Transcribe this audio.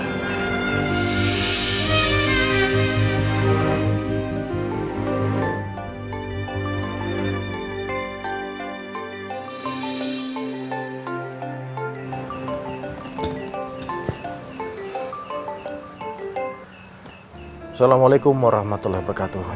assalamualaikum warahmatullahi wabarakatuh